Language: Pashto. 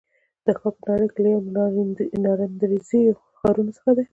دا ښار په نړۍ کې یو له ناندرییزو ښارونو څخه دی.